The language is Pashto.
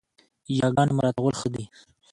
ياګاني مراعتول ښه دي